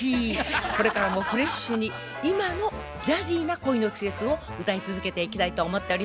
これからもフレッシュに今のジャジーな「恋の季節」を歌い続けていきたいと思っております。